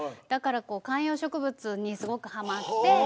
だからこう観葉植物にすごくハマって。